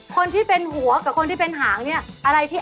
คนที่เป็นหัวกับคนที่เป็นหางนี่